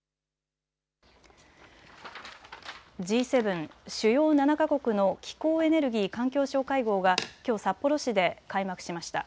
Ｇ７・主要７か国の気候・エネルギー・環境相会合がきょう札幌市で開幕しました。